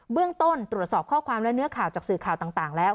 เรื่องต้นตรวจสอบข้อความและเนื้อข่าวจากสื่อข่าวต่างแล้ว